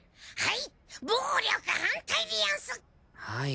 はい。